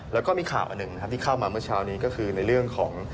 แล้วก็มีข่าวอันหนึ่งนะครับที่เข้ามาเมื่อเช้านี้ก็คือในเรื่องของ